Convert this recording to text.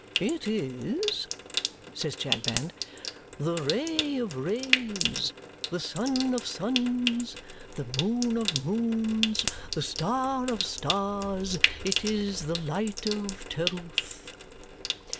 "It is," says Chadband, "the ray of rays, the sun of suns, the moon of moons, the star of stars. It is the light of Terewth."